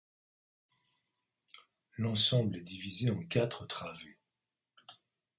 L'ensemble est divisé en quatre travées.